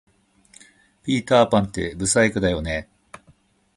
ピーターパンって不細工だよね